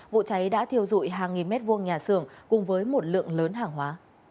vụ cháy đã thiêu dụi hàng nghìn mét vuông nhà xưởng cùng với một lượng lớn hàng hóa